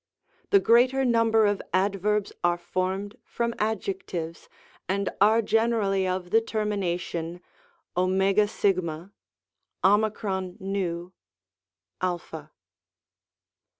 The greater number of Adverbs are formed from Adjectives, and are generally of the termination cjg^ ov, a.